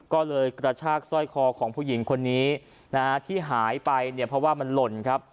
ก็เลยกระชากสร้อยคอของผู้หญิงคนนี้นะฮะที่หายไปเนี่ยเพราะว่ามันหล่นครับ